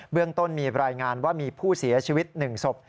เรื่องต้นมีรายงานว่ามีผู้เสียชีวิต๑ศพ